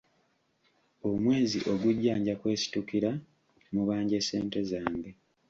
Omwezi ogujja nja kwesitukira mubanje ssente zange.